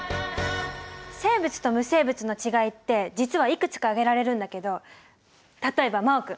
生物と無生物のちがいって実はいくつか挙げられるんだけど例えば真旺君。